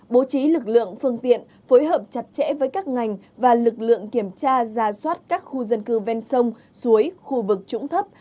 bố trí lực lượng phương tiện phối hợp chặt chẽ với các ngành và lực lượng kiểm tra ra soát các khu dân cư ven sông suối khu vực trũng thấp